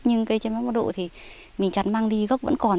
nhưng cây tre mang bắt độ thì mình chặt mang đi gốc vẫn còn